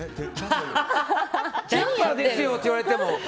チャックですよって言われても。